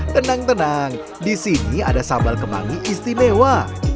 tenang tenang di sini ada sambal kemangi istimewa